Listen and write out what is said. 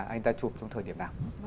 anh ta chụp trong thời điểm nào